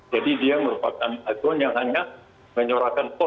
jadi dia merupakan icon yang hanya menyorakan pon